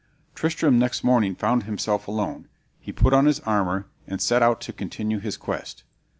Tristram next morning found himself alone; he put on his armor, and set out to continue his quest.